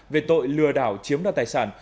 về tội lừa đảo chiếm đoạt tài sản